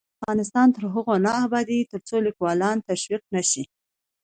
افغانستان تر هغو نه ابادیږي، ترڅو لیکوالان تشویق نشي.